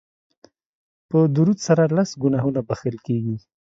په درود سره لس ګناهونه بښل کیږي